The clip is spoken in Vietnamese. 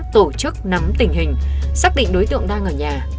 tổ chức nắm tình hình xác định đối tượng đang ở nhà